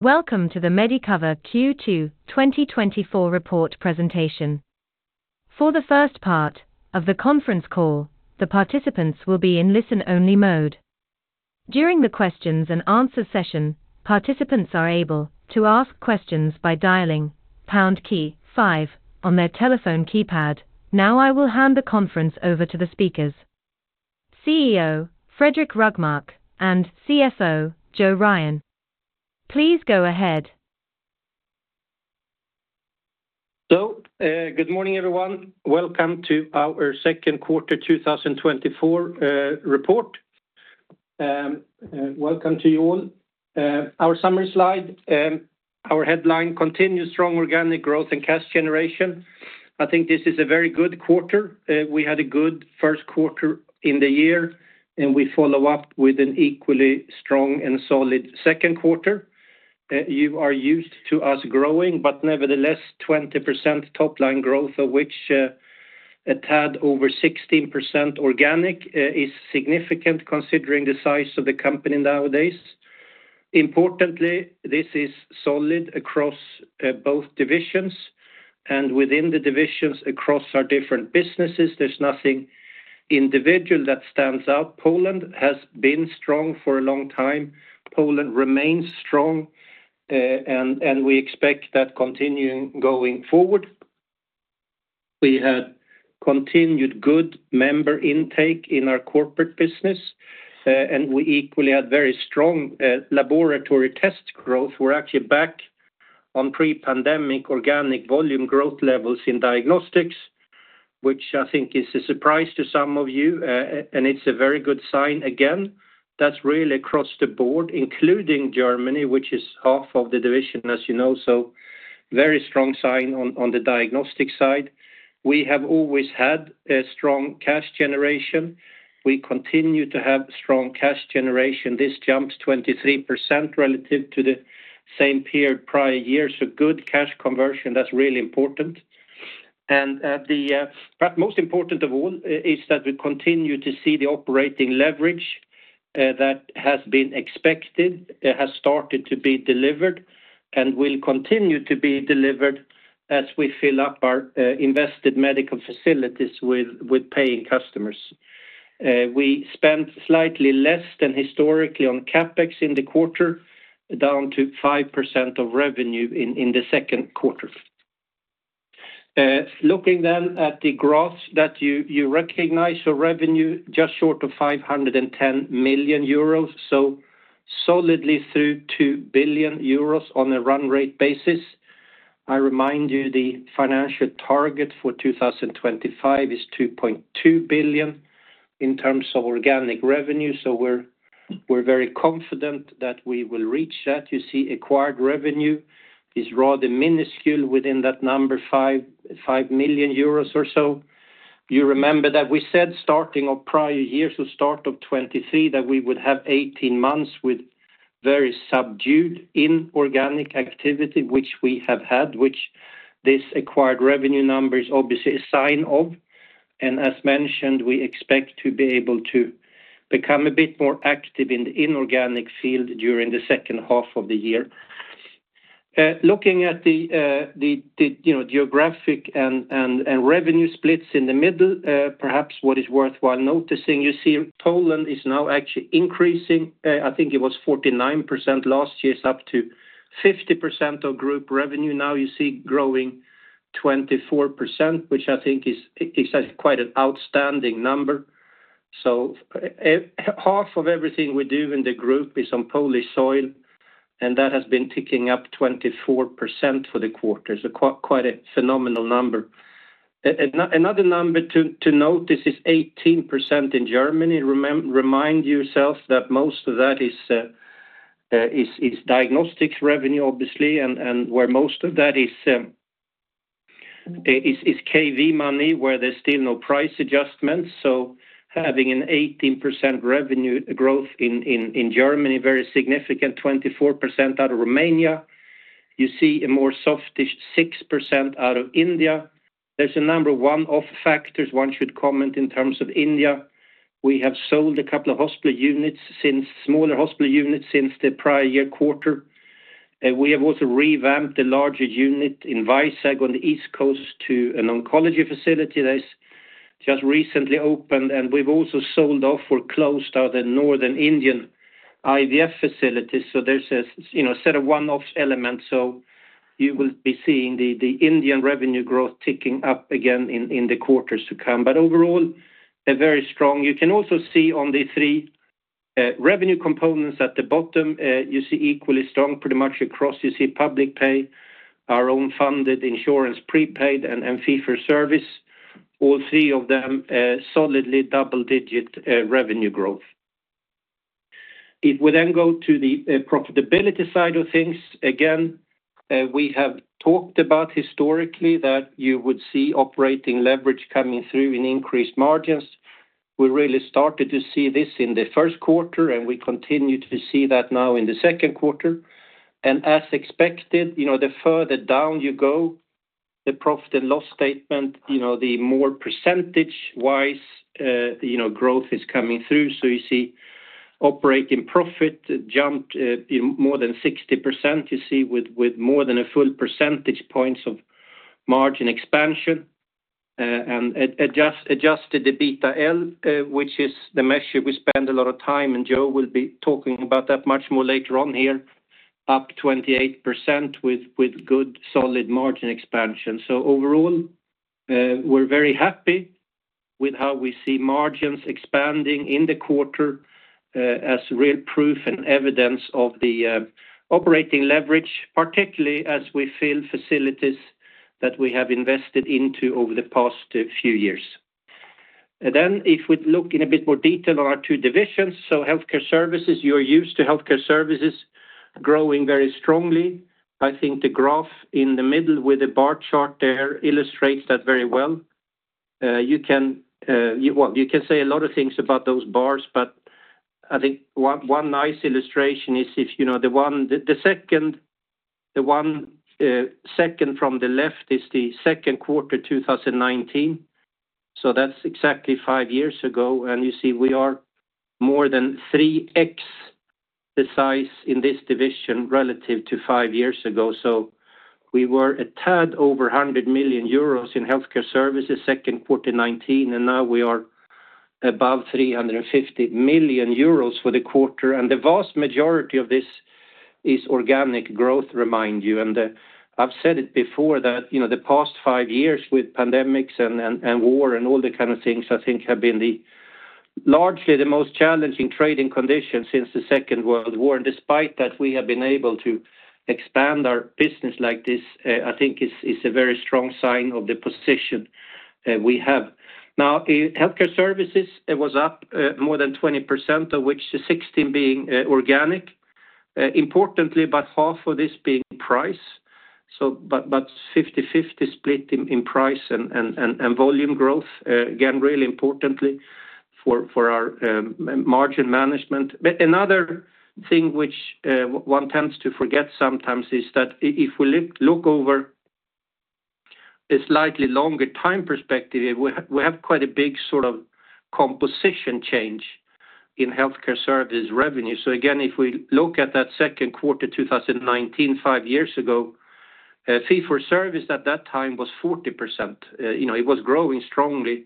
Welcome to the Medicover Q2 2024 report presentation. For the first part of the conference call, the participants will be in listen-only mode. During the questions and answer session, participants are able to ask questions by dialing pound key five on their telephone keypad. Now, I will hand the conference over to the speakers, CEO Fredrik Rågmark, and CFO Joe Ryan. Please go ahead. Good morning, everyone. Welcome to our second quarter 2024 report. Welcome to you all. Our summary slide, our headline, continued strong organic growth and cash generation. I think this is a very good quarter. We had a good first quarter in the year, and we follow up with an equally strong and solid second quarter. You are used to us growing, but nevertheless, 20% top line growth, of which a tad over 16% organic, is significant considering the size of the company nowadays. Importantly, this is solid across both divisions, and within the divisions across our different businesses, there's nothing individual that stands out. Poland has been strong for a long time. Poland remains strong, and we expect that continuing going forward. We had continued good member intake in our corporate business, and we equally had very strong laboratory test growth. We're actually back on pre-pandemic organic volume growth levels in diagnostics, which I think is a surprise to some of you, and it's a very good sign again. That's really across the board, including Germany, which is half of the division, as you know, so very strong sign on, on the diagnostic side. We have always had a strong cash generation. We continue to have strong cash generation. This jumps 23% relative to the same period prior year, so good cash conversion. That's really important. And, the. But most important of all, is that we continue to see the operating leverage that has been expected, it has started to be delivered, and will continue to be delivered as we fill up our invested medical facilities with paying customers. We spent slightly less than historically on CapEx in the quarter, down to 5% of revenue in the second quarter. Looking then at the graphs that you recognize, so revenue just short of 510 million euros, so solidly through 2 billion euros on a run rate basis. I remind you, the financial target for 2025 is 2.2 billion in terms of organic revenue, so we're very confident that we will reach that. You see, acquired revenue is rather minuscule within that number, 5 million euros or so. You remember that we said starting of prior years, so start of 2023, that we would have 18 months with very subdued inorganic activity, which we have had, which this acquired revenue number is obviously a sign of. As mentioned, we expect to be able to become a bit more active in the inorganic field during the second half of the year. Looking at the, you know, geographic and revenue splits in the middle, perhaps what is worthwhile noticing, you see Poland is now actually increasing. I think it was 49% last year, it's up to 50% of group revenue. Now you see growing 24%, which I think is quite an outstanding number. Half of everything we do in the group is on Polish soil, and that has been ticking up 24% for the quarter. So quite a phenomenal number. Another number to note, this is 18% in Germany. Remind yourself that most of that is diagnostics revenue, obviously, and where most of that is, is KV money, where there's still no price adjustments. So having an 18% revenue growth in Germany, very significant, 24% out of Romania. You see a more softish 6% out of India. There's a number of one-off factors one should comment in terms of India. We have sold a couple of smaller hospital units since the prior year quarter. We have also revamped the larger unit in Vizag on the East Coast to an oncology facility that is just recently opened, and we've also sold off or closed out the northern Indian IVF facilities. So there's a, you know, set of one-off elements. So you will be seeing the Indian revenue growth ticking up again in the quarters to come. But overall, a very strong. You can also see on the three revenue components at the bottom, you see equally strong, pretty much across. You see public pay, our own funded insurance, prepaid, and fee for service. All three of them solidly double-digit revenue growth. It will then go to the profitability side of things. Again, we have talked about historically that you would see operating leverage coming through in increased margins. We really started to see this in the first quarter, and we continue to see that now in the second quarter. As expected, you know, the further down you go the profit and loss statement, you know, the more percentage-wise, growth is coming through. So you see operating profit jumped more than 60%, you see, with more than a full percentage points of margin expansion. And adjusted EBITDAL, which is the measure we spend a lot of time, and Joe will be talking about that much more later on here, up 28% with good solid margin expansion. So overall, we're very happy with how we see margins expanding in the quarter, as real proof and evidence of the operating leverage, particularly as we fill facilities that we have invested into over the past few years. Then if we look in a bit more detail on our two divisions, so healthcare services, you're used to healthcare services growing very strongly. I think the graph in the middle with the bar chart there illustrates that very well. You can, well, you can say a lot of things about those bars, but I think one nice illustration is, you know, the second from the left is the second quarter 2019. So that's exactly five years ago, and you see we are more than 3x the size in this division relative to five years ago. So we were a tad over 100 million euros in healthcare services, second quarter 2019, and now we are above 350 million euros for the quarter. The vast majority of this is organic growth, remind you. I've said it before that, you know, the past five years with pandemics and war and all the kind of things, I think have been largely the most challenging trading conditions since the Second World War. Despite that, we have been able to expand our business like this, I think is a very strong sign of the position we have. Now, in healthcare services, it was up more than 20%, of which the 16 being organic. Importantly, about half of this being price, so but, but 50/50 split in price and volume growth, again, really importantly for our margin management. But another thing which one tends to forget sometimes is that if we look over a slightly longer time perspective, we have quite a big sort of composition change in healthcare services revenue. So again, if we look at that second quarter, 2019, five years ago, fee-for-service at that time was 40%. You know, it was growing strongly.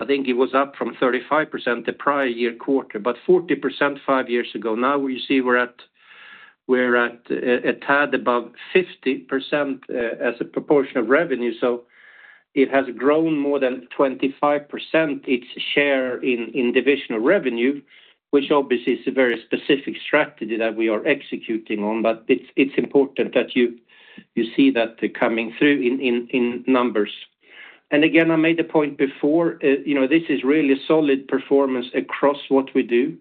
I think it was up from 35% the prior year quarter, but 40% five years ago. Now, you see, we're at a tad above 50%, as a proportion of revenue, so it has grown more than 25%, its share in divisional revenue, which obviously is a very specific strategy that we are executing on. But it's important that you see that coming through in numbers. Again, I made a point before, you know, this is really solid performance across what we do.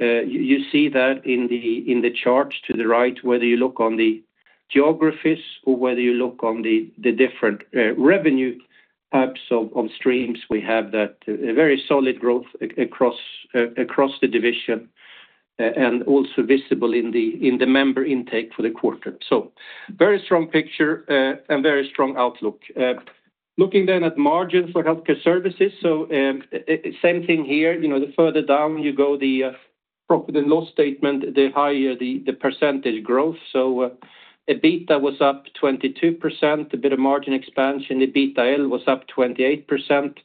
You see that in the charts to the right, whether you look on the geographies or whether you look on the different revenue types or on streams, we have a very solid growth across the division, and also visible in the member intake for the quarter. So very strong picture, and very strong outlook. Looking then at margins for healthcare services, so, same thing here. You know, the further down you go, the profit and loss statement, the higher the percentage growth. So EBITDA was up 22%, a bit of margin expansion, EBITDAL was up 28%.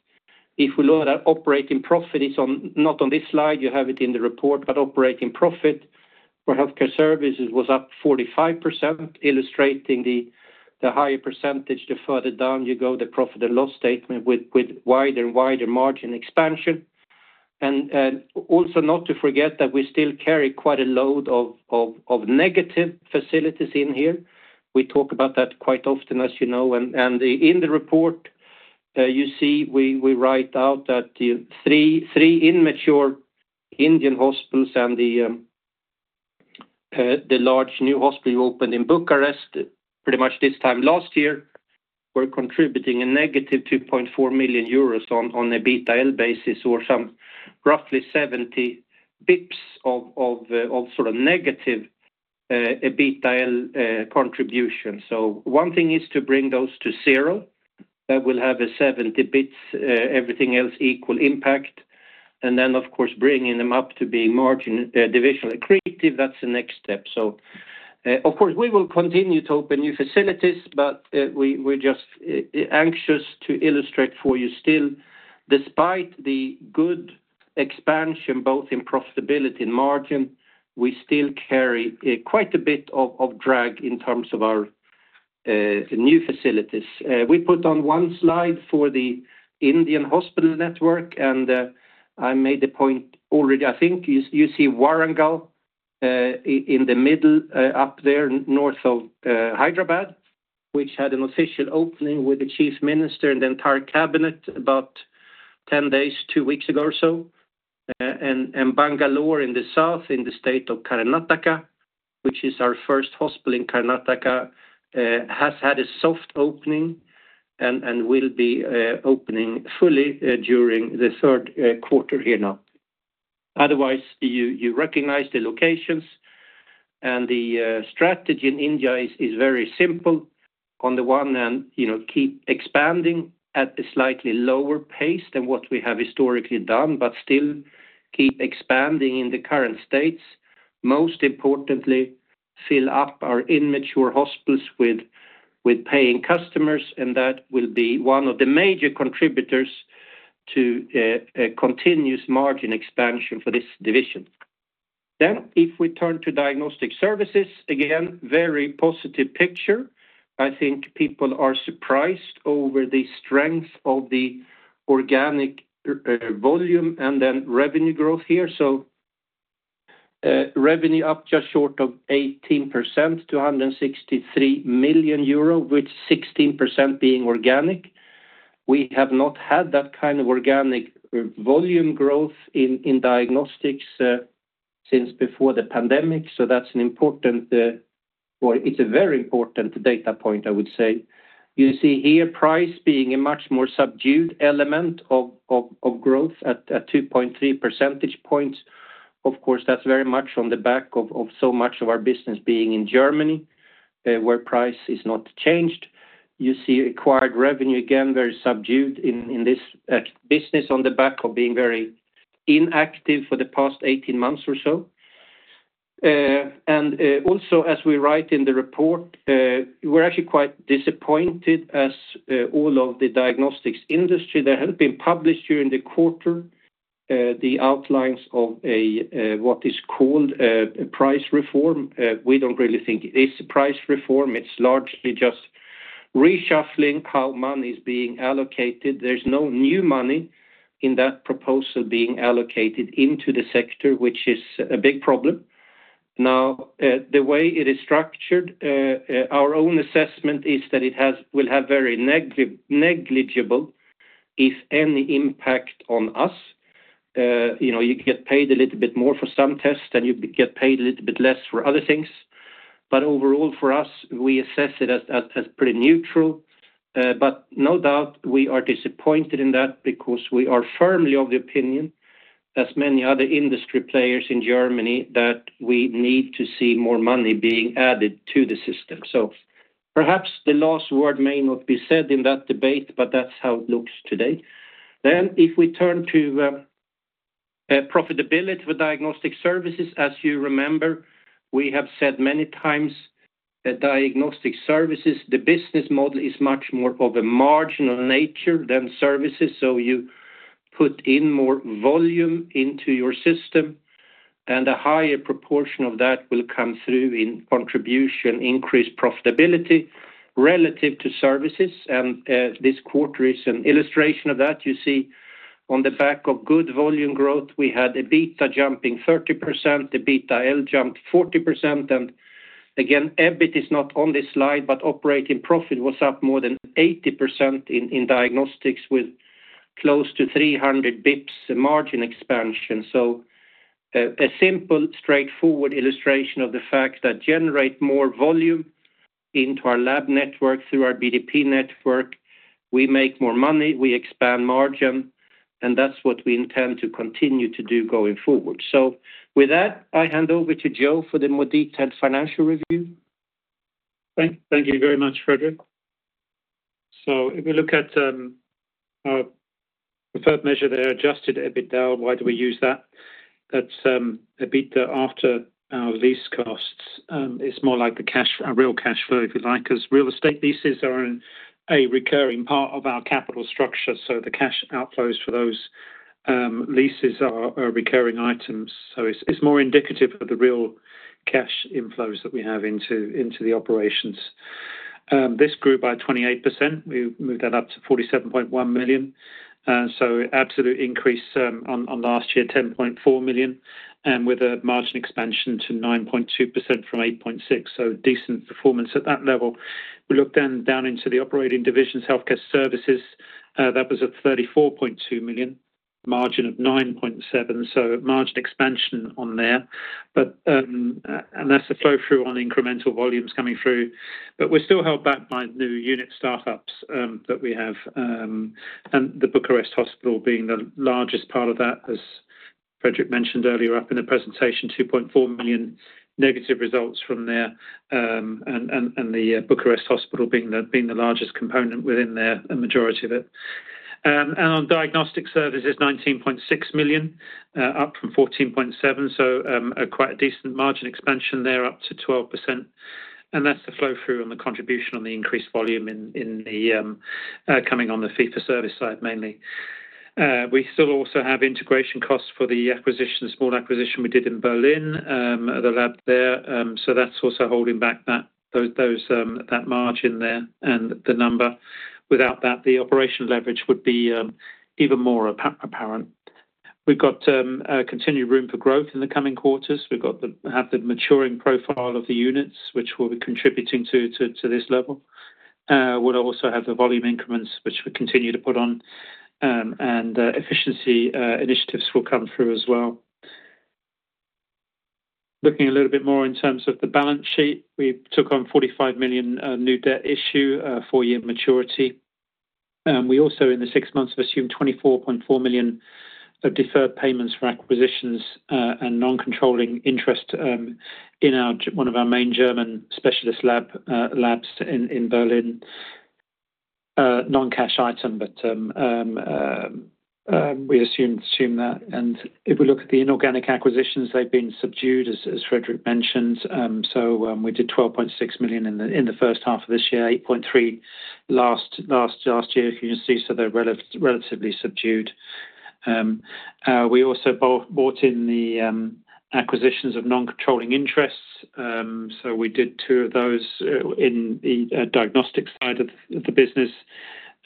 If we look at operating profit, it's on. Not on this slide, you have it in the report, but operating profit for healthcare services was up 45%, illustrating the higher percentage, the further down you go, the profit and loss statement with wider and wider margin expansion. Also not to forget that we still carry quite a load of negative facilities in here. We talk about that quite often, as you know, and in the report, you see, we write out that the three immature Indian hospitals and the large new hospital opened in Bucharest, pretty much this time last year, were contributing a negative 2.4 million euros on EBITDAL basis, or some roughly 70 basis points of sort of negative EBITDA contribution. So one thing is to bring those to zero. That will have a 70 basis points, everything else equal impact. Then, of course, bringing them up to being margin divisional accretive, that's the next step. So, of course, we will continue to open new facilities, but, we, we're just, anxious to illustrate for you still, despite the good expansion, both in profitability and margin, we still carry, quite a bit of, of drag in terms of our, new facilities. We put on one slide for the Indian hospital network, and, I made the point already. I think you, you see Warangal, in the middle, up there, north of, Hyderabad, which had an official opening with the chief minister and the entire cabinet about 10 days, 2 weeks ago or so. Bangalore in the south, in the state of Karnataka, which is our first hospital in Karnataka, has had a soft opening and, will be, opening fully, during the third quarter here now. Otherwise, you recognize the locations, and the strategy in India is very simple. On the one hand, you know, keep expanding at a slightly lower pace than what we have historically done, but still keep expanding in the current states. Most importantly, fill up our immature hospitals with paying customers, and that will be one of the major contributors to a continuous margin expansion for this division. Then, if we turn to diagnostic services, again, very positive picture. I think people are surprised over the strength of the organic volume and then revenue growth here. So, revenue up just short of 18% to 163 million euro, with 16% being organic. We have not had that kind of organic volume growth in diagnostics since before the pandemic, so that's an important, well, it's a very important data point, I would say. You see here price being a much more subdued element of growth at 2.3 percentage points. Of course, that's very much on the back of so much of our business being in Germany, where price is not changed. You see acquired revenue, again, very subdued in this business on the back of being very inactive for the past 18 months or so. Also, as we write in the report, we're actually quite disappointed as all of the diagnostics industry. There has been published during the quarter the outlines of a what is called a price reform. We don't really think it is a price reform. It's largely just reshuffling how money is being allocated. There's no new money in that proposal being allocated into the sector, which is a big problem. Now, the way it is structured, our own assessment is that it will have very negligible, if any, impact on us. You know, you get paid a little bit more for some tests, then you get paid a little bit less for other things. But overall, for us, we assess it as pretty neutral. But no doubt we are disappointed in that, because we are firmly of the opinion, as many other industry players in Germany, that we need to see more money being added to the system. So perhaps the last word may not be said in that debate, but that's how it looks today. Then, if we turn to profitability with diagnostic services, as you remember, we have said many times that diagnostic services, the business model, is much more of a marginal nature than services. So you put in more volume into your system, and a higher proportion of that will come through in contribution, increased profitability relative to services, and this quarter is an illustration of that. You see on the back of good volume growth, we had EBITDA jumping 30%, the EBITDAL jumped 40%. Again, EBIT is not on this slide, but operating profit was up more than 80% in diagnostics, with close to 300 bps margin expansion. So, a simple, straightforward illustration of the fact that generate more volume into our lab network through our BDP network, we make more money, we expand margin, and that's what we intend to continue to do going forward. So with that, I hand over to Joe for the more detailed financial review. Thank you very much, Fredrik. So if we look at our preferred measure there, adjusted EBITDA, why do we use that? That's EBITDA after our lease costs. It's more like the cash, a real cash flow, if you like, 'cause real estate leases are a recurring part of our capital structure, so the cash outflows for those leases are recurring items. So it's more indicative of the real cash inflows that we have into the operations. This grew by 28%. We moved that up to 47.1 million. So absolute increase on last year, 10.4 million, and with a margin expansion to 9.2% from 8.6%. So decent performance at that level. We look then down into the operating divisions, healthcare services, that was at 34.2 million, margin of 9.7%, so margin expansion on there. But, and that's the flow-through on incremental volumes coming through. But we're still held back by new unit startups, that we have, and the Bucharest Hospital being the largest part of that, as Fredrik mentioned earlier up in the presentation, 2.4 million negative results from there, and the Bucharest hospital being the largest component within there, a majority of it. On diagnostic services, 19.6 million, up from 14.7 million, so a quite decent margin expansion there, up to 12%. That's the flow-through and the contribution on the increased volume coming on the fee-for-service side, mainly. We still also have integration costs for the acquisition, the small acquisition we did in Berlin, the lab there. So that's also holding back that margin there and the number. Without that, the operational leverage would be even more apparent. We've got continued room for growth in the coming quarters. We've got the maturing profile of the units, which we'll be contributing to this level. We'll also have the volume increments, which we continue to put on, and efficiency initiatives will come through as well. Looking a little bit more in terms of the balance sheet. We took on 45 million new debt issue, a 4-year maturity. We also, in the six months, have assumed 24.4 million of deferred payments for acquisitions, and non-controlling interest, in our one of our main German specialist lab, labs in Berlin. Non-cash item, but we assumed that. If we look at the inorganic acquisitions, they've been subdued, as Fredrik mentioned. So, we did 12.6 million in the first half of this year, 8.3 million last year, as you can see, so they're relatively subdued. We also bought in the acquisitions of non-controlling interests. So we did two of those in the diagnostic side of the business,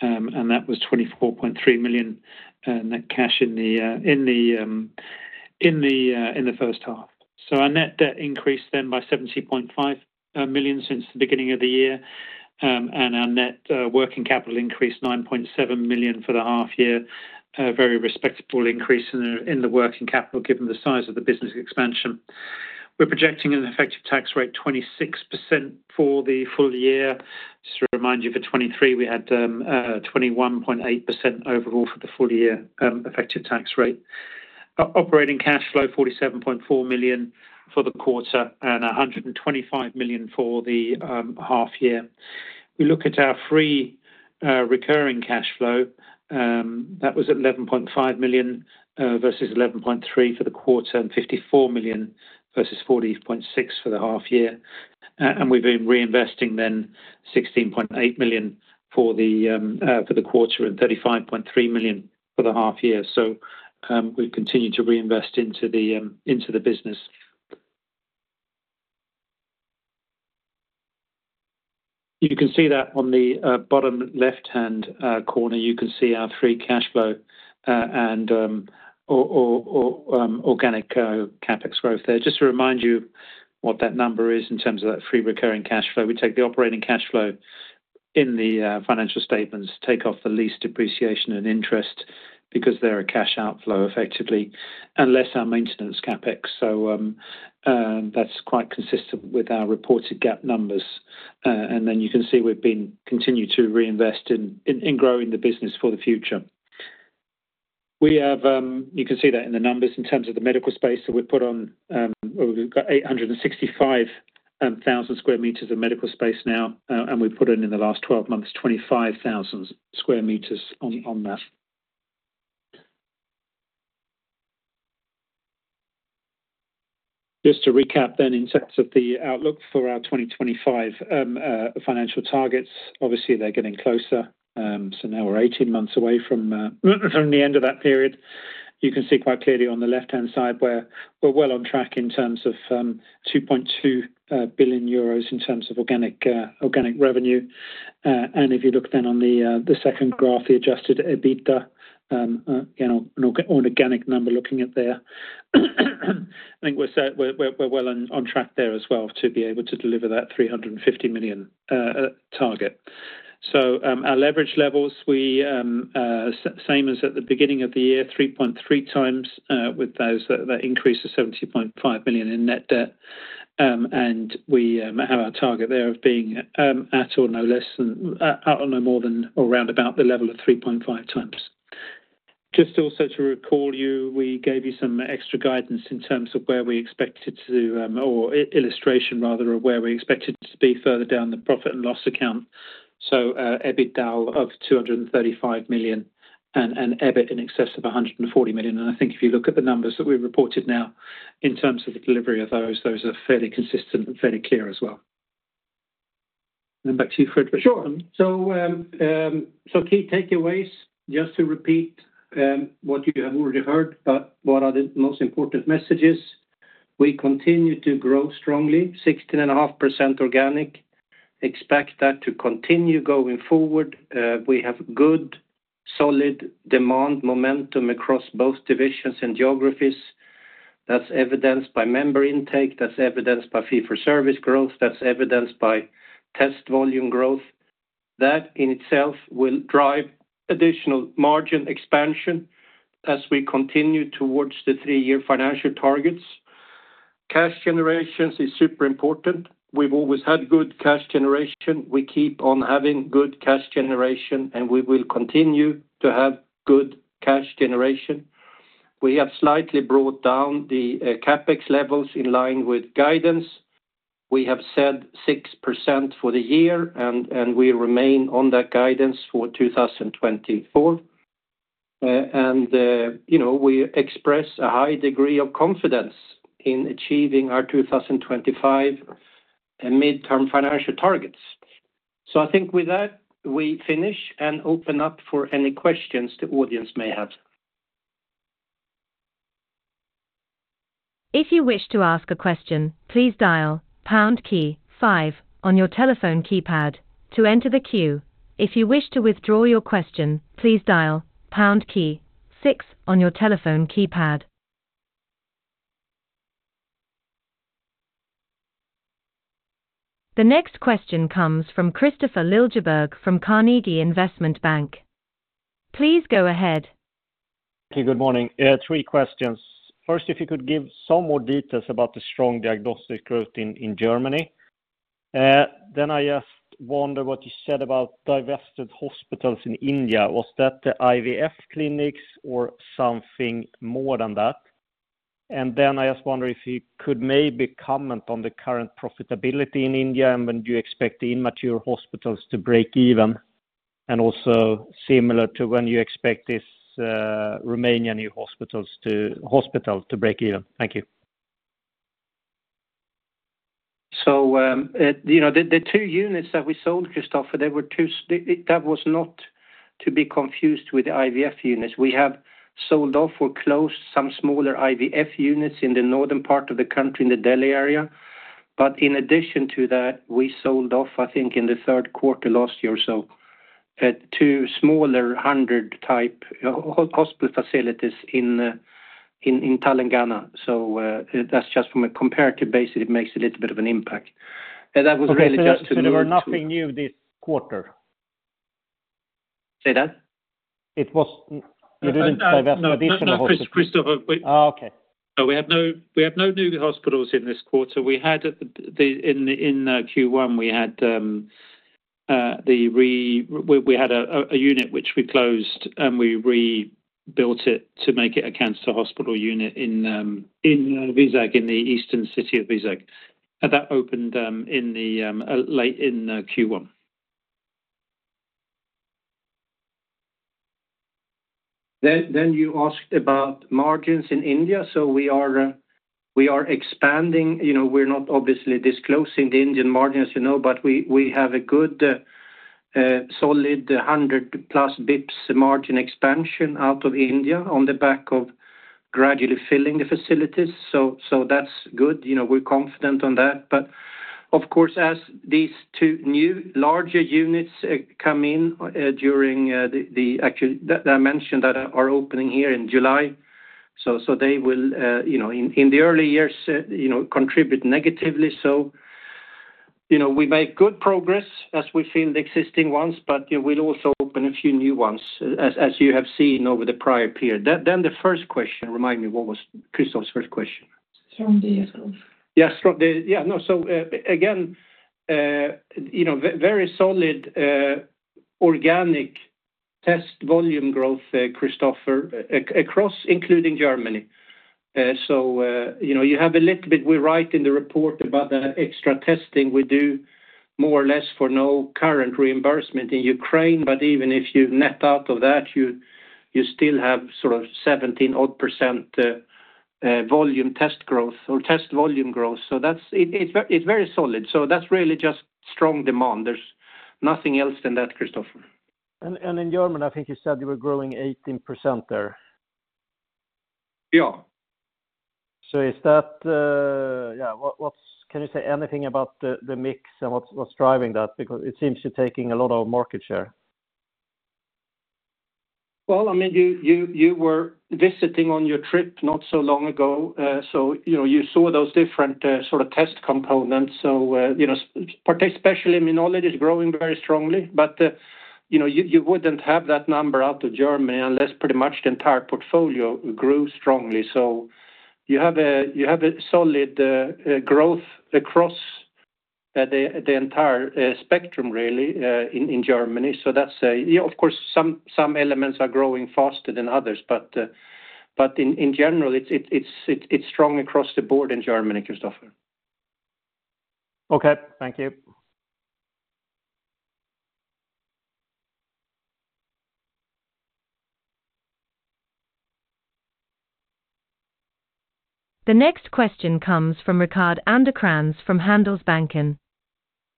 and that was 24.3 million net cash in the first half. So our net debt increased then by 70.5 million since the beginning of the year. Our net working capital increased 9.7 million for the half year. Very respectable increase in the working capital, given the size of the business expansion. We're projecting an effective tax rate 26% for the full year. Just to remind you, for 2023, we had 21.8% overall for the full year, effective tax rate. Operating cash flow 47.4 million for the quarter, and 125 million for the half year. We look at our free, recurring cash flow, that was at 11.5 million versus 11.3 million for the quarter, and 54 million versus 40.6 million for the half year. We've been reinvesting then 16.8 million for the, for the quarter and 35.3 million for the half year. So, we've continued to reinvest into the, into the business. You can see that on the, bottom left-hand, corner, you can see our free cash flow, and, organic CapEx growth there. Just to remind you what that number is in terms of that free recurring cash flow. We take the operating cash flow in the, financial statements, take off the lease depreciation and interest, because they're a cash outflow effectively, and less our maintenance CapEx. So, that's quite consistent with our reported GAAP numbers. Then you can see we've continued to reinvest in growing the business for the future. We have. You can see that in the numbers in terms of the medical space that we've put on, we've got 865,000 square meters of medical space now, and we've put in the last 12 months, 25,000 square meters on that. Just to recap then, in terms of the outlook for our 2025 financial targets, obviously they're getting closer. So now we're 18 months away from the end of that period. You can see quite clearly on the left-hand side, where we're well on track in terms of 2.2 billion euros in terms of organic revenue. If you look then on the second graph, the Adjusted EBITDA, you know, an organic number looking at there. I think we're set. We're well on track there as well to be able to deliver that 350 million target. So, our leverage levels same as at the beginning of the year, 3.3x, with that increase to 70.5 billion in net debt. We have our target there of being at or no less than, at or no more than or round about the level of 3.5x. Just also to recall you, we gave you some extra guidance in terms of where we expected to, or illustration rather, of where we expected to be further down the profit and loss account. So, EBITDA of 235 million, and, and EBIT in excess of 140 million. I think if you look at the numbers that we've reported now, in terms of the delivery of those, those are fairly consistent and fairly clear as well. Back to you, Fredrik. Sure. So key takeaways, just to repeat what you have already heard, but what are the most important messages? We continue to grow strongly, 16.5% organic. Expect that to continue going forward. We have good, solid demand, momentum across both divisions and geographies. That's evidenced by member intake. That's evidenced by fee for service growth. That's evidenced by test volume growth. That in itself will drive additional margin expansion as we continue towards the three-year financial targets. Cash generation is super important. We've always had good cash generation. We keep on having good cash generation, and we will continue to have good cash generation. We have slightly brought down the CapEx levels in line with guidance. We have said 6% for the year, and we remain on that guidance for 2024. You know, we express a high degree of confidence in achieving our 2025 and midterm financial targets. So I think with that, we finish and open up for any questions the audience may have. If you wish to ask a question, please dial pound key five on your telephone keypad to enter the queue. If you wish to withdraw your question, please dial pound key six on your telephone keypad. The next question comes from Kristofer Liljeberg from Carnegie Investment Bank. Please go ahead. Okay, good morning. I have three questions. First, if you could give some more details about the strong diagnostic growth in Germany. Then I just wonder what you said about divested hospitals in India. Was that the IVF clinics or something more than that? And then I just wonder if you could maybe comment on the current profitability in India, and when do you expect the immature hospitals to break even, and also similar to when you expect this Romanian hospital to break even? Thank you. So, you know, the two units that we sold, Kristofer, they were two that was not to be confused with the IVF units. We have sold off or closed some smaller IVF units in the northern part of the country, in the Delhi area. But in addition to that, we sold off, I think, in the third quarter last year or so, two smaller hundred type hospital facilities in Telangana. So, that's just from a comparative basis, it makes a little bit of an impact. And that was really just to. So there were nothing new this quarter? Say that? It was. You didn't divest additional hospital No, Kristofer. Oh, okay. So we have no new hospitals in this quarter. We had in Q1 we had a unit which we closed, and we rebuilt it to make it a cancer hospital unit in Vizag, in the eastern city of Vizag. That opened late in Q1. Then you asked about margins in India. So we are expanding. You know, we're not obviously disclosing the Indian margins, you know, but we have a good solid 100+ bps margin expansion out of India on the back of gradually filling the facilities. So that's good. You know, we're confident on that. But of course, as these two new larger units come in during the... Actually, that I mentioned that are opening here in July. So they will, you know, in the early years, you know, contribute negatively. So, you know, we make good progress as we fill the existing ones, but, you know, we'll also open a few new ones, as you have seen over the prior period. Then the first question, remind me, what was Kristofer's first question? From the growth. Yes, from the. Yeah. No. So, again, you know, very solid organic test volume growth, Kristofer, across, including Germany. So, you know, you have a little bit, we write in the report about the extra testing we do more or less for no current reimbursement in Ukraine, but even if you net out of that, you still have sort of 17 odd % volume test growth or test volume growth. So that's... It, it's very, it's very solid. So that's really just strong demand. There's nothing else than that, Kristofer. In Germany, I think you said you were growing 18% there. Yeah. So is that? Yeah, can you say anything about the mix and what's driving that? Because it seems you're taking a lot of market share. Well, I mean, you were visiting on your trip not so long ago, so you know, you saw those different sort of test components. So you know, especially immunology is growing very strongly, but you know, you wouldn't have that number out of Germany unless pretty much the entire portfolio grew strongly. So you have a solid growth across the entire spectrum, really, in Germany. So that's a... Yeah, of course, some elements are growing faster than others. But in general, it's strong across the board in Germany, Kristofer. Okay. Thank you. The next question comes from Rickard Anderkrans from Handelsbanken.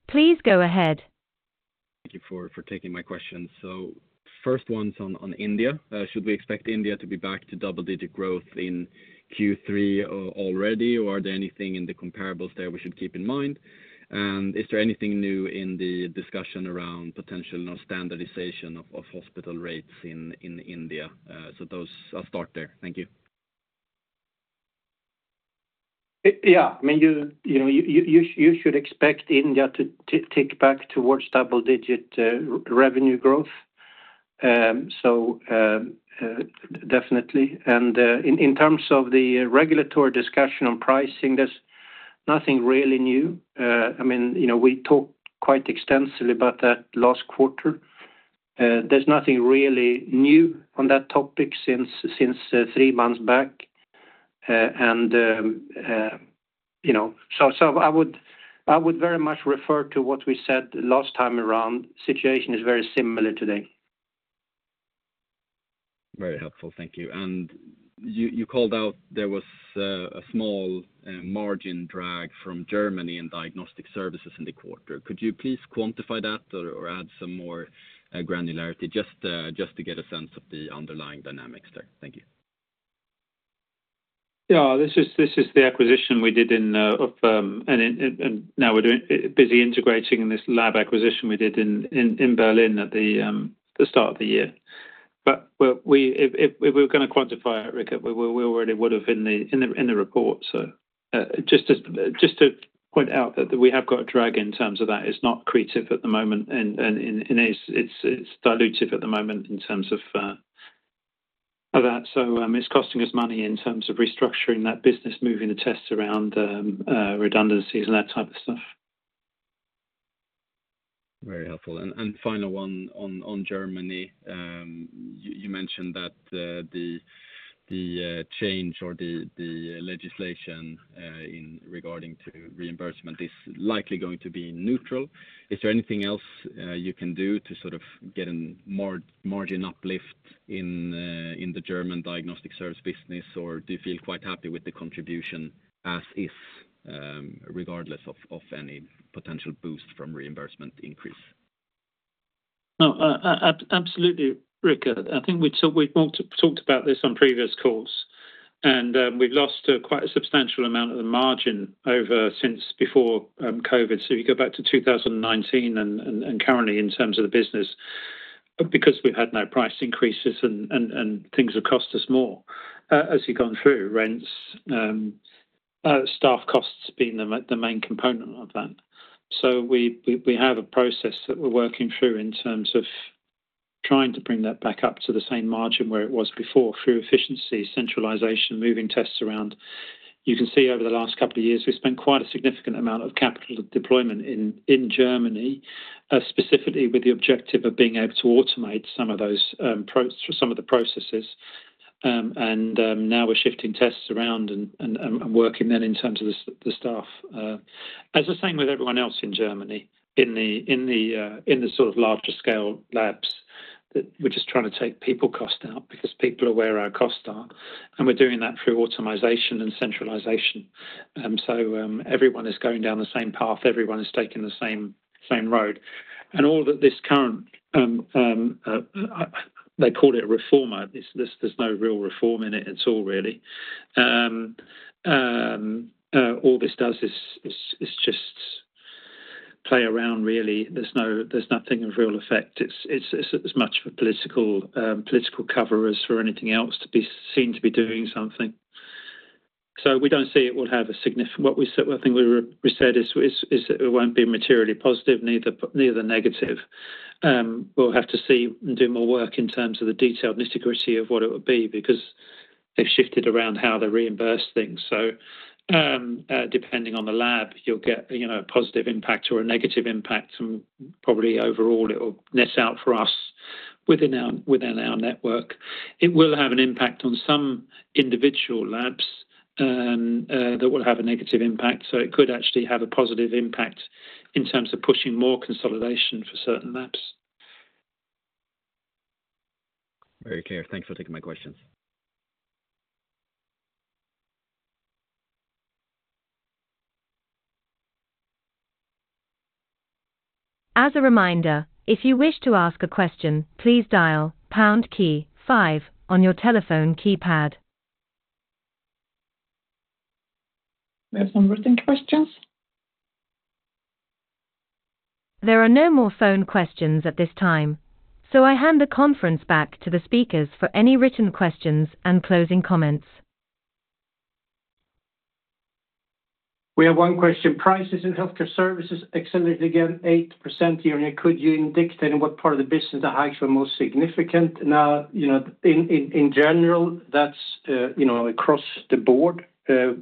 Please go ahead. Thank you for taking my question. So first one's on India. Should we expect India to be back to double-digit growth in Q3 already, or are there anything in the comparables there we should keep in mind? And is there anything new in the discussion around potential no standardization of hospital rates in India? So those, I'll start there. Thank you. Yeah, I mean, you know, you should expect India to tick back towards double-digit revenue growth. So, definitely. And in terms of the regulatory discussion on pricing, there's nothing really new. I mean, you know, we talked quite extensively about that last quarter. There's nothing really new on that topic since three months back. And you know, so I would very much refer to what we said last time around. Situation is very similar today. Very helpful. Thank you. You called out there was a small margin drag from Germany in diagnostic services in the quarter. Could you please quantify that or add some more granularity just to get a sense of the underlying dynamics there? Thank you. Yeah, this is the acquisition we did. And now we're busy integrating this lab acquisition we did in Berlin at the start of the year. But, if we were going to quantify it, Rick, we already would have in the report. So, just to point out that we have got a drag in terms of that. It's not accretive at the moment, and it's dilutive at the moment in terms of that. So, it's costing us money in terms of restructuring that business, moving the tests around, redundancies and that type of stuff. Very helpful. Final one on Germany. You mentioned that the change or the legislation in regard to reimbursement is likely going to be neutral. Is there anything else you can do to sort of get a more margin uplift in the German diagnostic service business? Or do you feel quite happy with the contribution as is, regardless of any potential boost from reimbursement increase? No, absolutely, Rick. I think we've talked about this on previous calls, and we've lost quite a substantial amount of the margin over since before COVID. So if you go back to 2019 and currently, in terms of the business, because we've had no price increases and things have cost us more. As we've gone through rents, staff costs being the main component of that. So we have a process that we're working through in terms of trying to bring that back up to the same margin where it was before, through efficiency, centralization, moving tests around. You can see over the last couple of years, we've spent quite a significant amount of capital deployment in Germany, specifically with the objective of being able to automate some of those, some of the processes. Now we're shifting tests around and working then in terms of the staff. As is the same with everyone else in Germany, in the sort of larger scale labs, that we're just trying to take people costs out because people are where our costs are, and we're doing that through automation and centralization. So, everyone is going down the same path. Everyone is taking the same road. All that this current, they call it a reform. There's no real reform in it at all, really. All this does is just play around, really. There's nothing of real effect. It's as much for political cover as for anything else to be seen to be doing something. So we don't see it will have a signif what we said, I think we said is that it won't be materially positive, neither negative. We'll have to see and do more work in terms of the detailed nitty-gritty of what it would be, because they've shifted around how they reimburse things. So, depending on the lab, you'll get, you know, a positive impact or a negative impact, and probably overall, it will net out for us within our network. It will have an impact on some individual labs that will have a negative impact. So it could actually have a positive impact in terms of pushing more consolidation for certain labs. Very clear. Thanks for taking my questions. As a reminder, if you wish to ask a question, please dial pound key five on your telephone keypad. There are some written questions. There are no more phone questions at this time, so I hand the conference back to the speakers for any written questions and closing comments. We have one question. Prices in healthcare services accelerated again, 8% year-on-year. Could you indicate in what part of the business the hikes were most significant? Now, you know, in general, that's, you know, across the board. To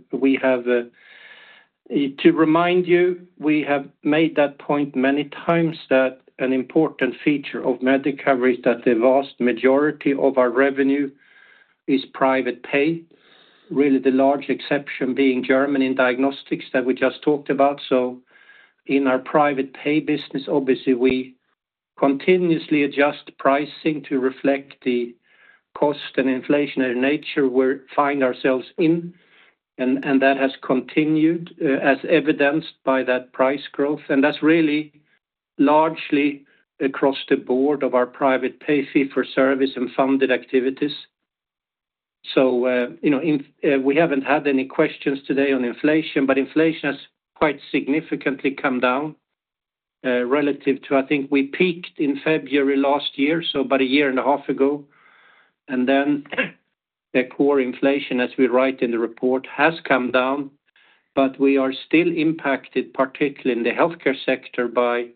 remind you, we have made that point many times that an important feature of Medicover is that the vast majority of our revenue is private pay. Really, the large exception being Germany in diagnostics that we just talked about. So in our private pay business, obviously, we continuously adjust pricing to reflect the cost and inflationary nature we find ourselves in, and that has continued, as evidenced by that price growth, and that's really largely across the board of our private pay fee-for-service and funded activities. So, you know, we haven't had any questions today on inflation, but inflation has quite significantly come down relative to... I think we peaked in February last year, so about a year and a half ago. Then the core inflation, as we write in the report, has come down, but we are still impacted, particularly in the healthcare sector, by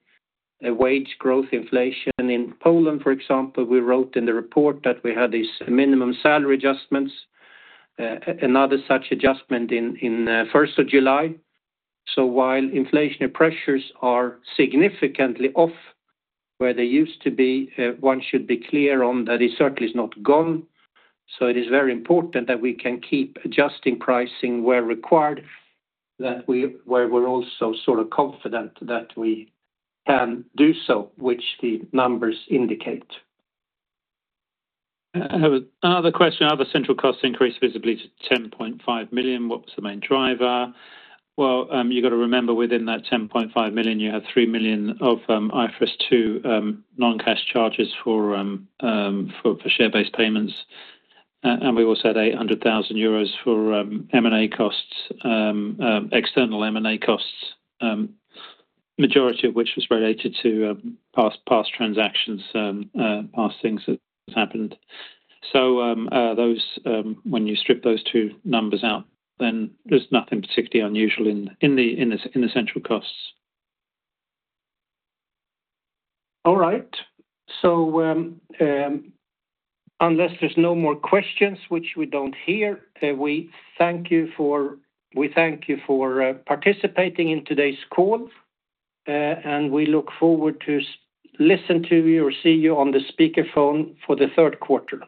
a wage growth inflation. In Poland, for example, we wrote in the report that we had these minimum salary adjustments, another such adjustment in first of July. So while inflationary pressures are significantly off where they used to be, one should be clear on that it certainly is not gone. So it is very important that we can keep adjusting pricing where required, that where we're also sort of confident that we can do so, which the numbers indicate. I have another question. Other central costs increased visibly to 10.5 million. What was the main driver? Well, you got to remember within that 10.5 million, you had 3 million of, IFRS 2, non-cash charges for share-based payments. We also had 800,000 euros for M&A costs, external M&A costs, majority of which was related to past transactions, past things that happened. So, those, when you strip those two numbers out, then there's nothing particularly unusual in the central costs. All right. So, unless there's no more questions, which we don't hear, we thank you for. We thank you for participating in today's call, and we look forward to listen to you or see you on the speaker phone for the third quarter.